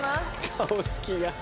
顔つきが。